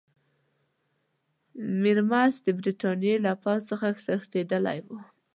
میرمست د برټانیې له پوځ څخه تښتېدلی وو.